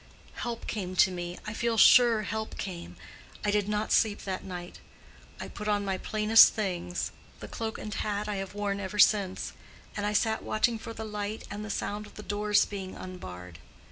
Help came to me. I feel sure help came. I did not sleep that night. I put on my plainest things—the cloak and hat I have worn ever since; and I sat watching for the light and the sound of the doors being unbarred.